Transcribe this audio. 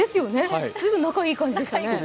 随分仲いい感じでしたね。